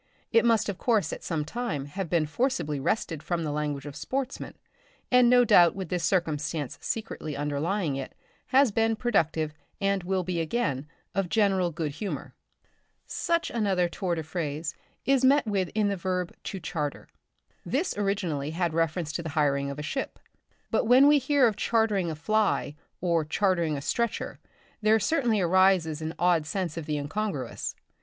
It must of course at some time have been forcibly wrested from the language of sportsmen, and no doubt with this circumstance secretly underlying it, has been productive, and will be again, of general good humour. Such another tour de phrase is met with in the verb "to charter." This originally had reference to the hiring of a ship; but when we hear of chartering a fly, or chartering a stretcher, there certainly arises an odd sense of the incongruous.